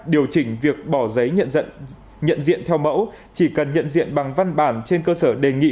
điều chỉnh việc bỏ giấy nhận diện theo mẫu chỉ cần nhận diện bằng văn bản trên cơ sở đề nghị